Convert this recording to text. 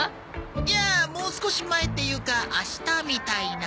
いやもう少し前っていうか明日みたいな。